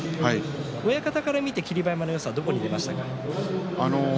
親方から見て霧馬山のよさはどんなところでしたか？